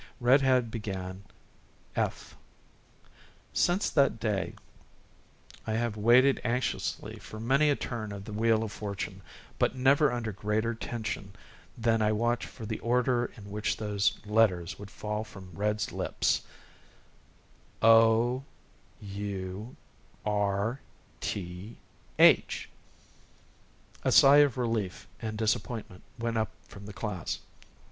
"Red Head" began: "F " Since that day I have waited anxiously for many a turn of the wheel of fortune, but never under greater tension than when I watched for the order in which those letters would fall from "Red's" lips "o u r t h." A sigh of relief and disappointment went up from the class.